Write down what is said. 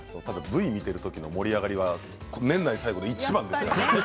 ただＶ見てる時の盛り上がりは年内最後で一番でしたね。